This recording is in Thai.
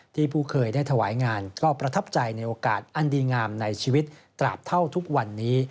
ผู้เคยได้ถวายงานก็ประทับใจในโอกาสอันดีงามในชีวิตตราบเท่าทุกวันนี้